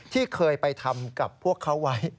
ที่เคยไปทำกับพวกเขาไว้